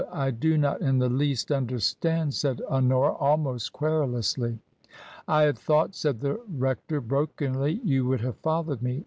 I do not in the least understand !" said Honora, almost querulously. "I had thought," said the rector, brokenly, "you would have followed me.